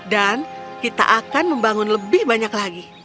dan kita akan membangun lebih banyak lagi